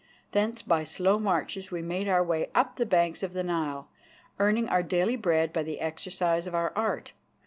Thence by slow marches we made our way up the banks of the Nile, earning our daily bread by the exercise of our art.